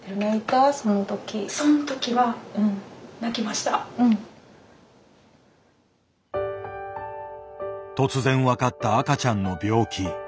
その時は突然分かった赤ちゃんの病気。